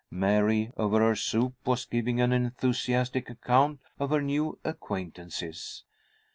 Mary, over her soup, was giving an enthusiastic account of her new acquaintances.